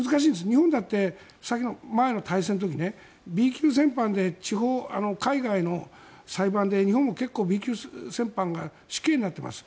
日本だって先の大戦の時Ｂ級戦犯で海外の裁判で日本も結構Ｂ級戦犯が死刑になっています。